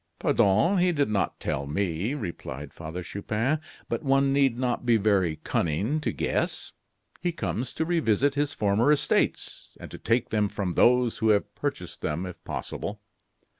"Pardon! he did not tell me," replied Father Chupin; "but one need not be very cunning to guess. He comes to revisit his former estates, and to take them from those who have purchased them, if possible.